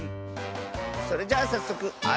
それじゃあさっそく「あいことば」。